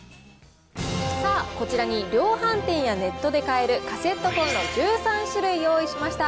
こちらに量販店やネットで買えるカセットコンロ１３種類用意しました。